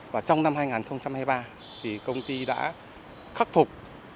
và trong năm hai nghìn hai mươi ba thì công ty đã khắc phục